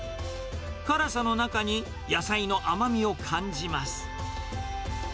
辛さの中に野菜の甘みを感じます。